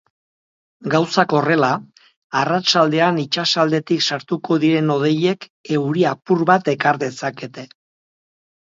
Gauzak horrela, arratsaldean itsasaldetik sartuko diren hodeiek euri apur bat ekar dezakete.